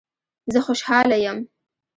زه خوشحاله یم